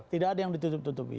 tidak ada yang ditutup tutupi